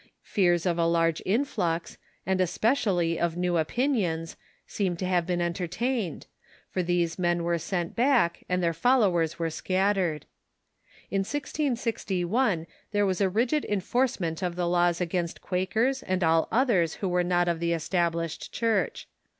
Fears of a large influx, and especially of new opinions, seem to have been entertained ; for these men were sent back, and their foUoAvers Avere scattered. In 1661 there Avas a rigid enforcement of the laws against Quakers and all others Avho Avere not of the Established Church.